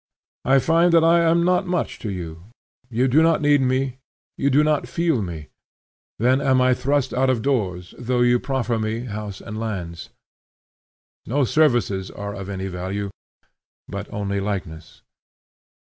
I find that I am not much to you; you do not need me; you do not feel me; then am I thrust out of doors, though you proffer me house and lands. No services are of any value, but only likeness.